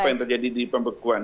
apa yang terjadi di pembekuan